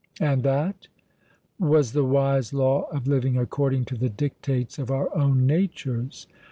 "And that?" "Was the wise law of living according to the dictates of our own natures.